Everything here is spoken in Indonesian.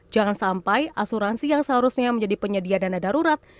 jangan sampai asuransi yang seharusnya menjadi penyedia dana darurat